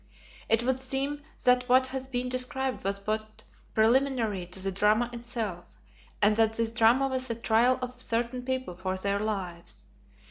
It would seem that what has been described was but preliminary to the drama itself, and that this drama was the trial of certain people for their lives.